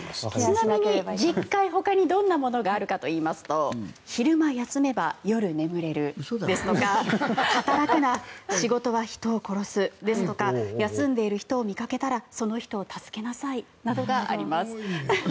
ちなみに十戒ほかにどんなものがあるかといいますと昼間休めば夜眠れるですとか働くな、仕事は人を殺すですとか休んでいる人を見掛けたらその人を助けなさいなどがあります。